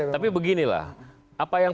tapi beginilah apa yang